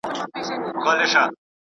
د زده کړي فرصتونه باید یو شان وي.